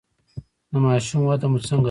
د ماشوم وده مو څنګه ده؟